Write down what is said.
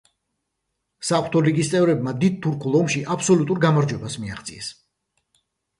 საღვთო ლიგის წევრებმა დიდ თურქულ ომში აბსოლუტურ გამარჯვებას მიაღწიეს.